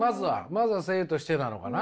まずは声優としてなのかな？